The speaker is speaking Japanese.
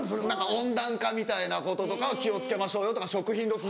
温暖化みたいなこととかを気を付けましょうよとか食品ロス